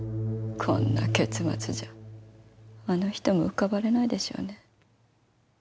こんな結末じゃあの人も浮かばれないでしょうね。